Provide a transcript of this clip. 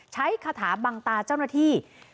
คาถาบังตาเจ้าหน้าที่